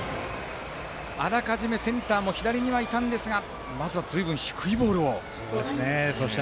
あらかじめセンターも左にはいたんですがずいぶん低いボールを打ちました。